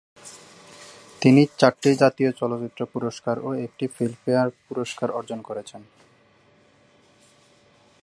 তিনি চারটি জাতীয় চলচ্চিত্র পুরস্কার ও একটি ফিল্মফেয়ার পুরস্কার অর্জন করেছেন।